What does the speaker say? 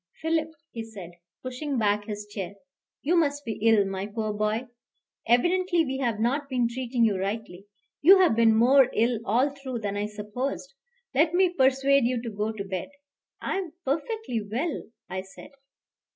"Philip," he said, pushing back his chair, "you must be ill, my poor boy. Evidently we have not been treating you rightly; you have been more ill all through than I supposed. Let me persuade you to go to bed." "I am perfectly well," I said.